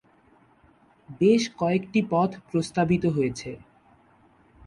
বেশ কয়েকটি পথ প্রস্তাবিত হয়েছে।